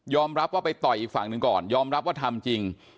รับว่าไปต่อยอีกฝั่งหนึ่งก่อนยอมรับว่าทำจริง